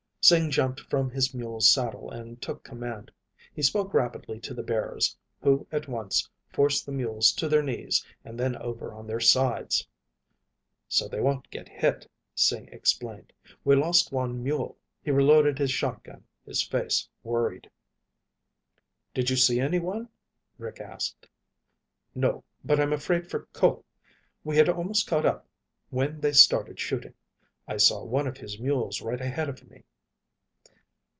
Sing jumped from his mule's saddle and took command. He spoke rapidly to the bearers, who at once forced the mules to their knees and then over on their sides. "So they won't get hit," Sing explained. "We lost one mule." He reloaded his shotgun, his face worried. "Did you see anyone?" Rick asked. "No. But I'm afraid for Ko. We had almost caught up when they started shooting. I saw one of his mules right ahead of me."